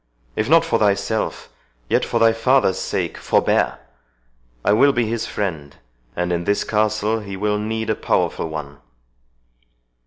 If not for thyself, yet for thy father's sake forbear! I will be his friend, and in this castle he will need a powerful one."